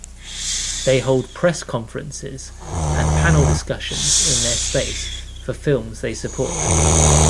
They hold press conferences and panel discussions in their space for films they support.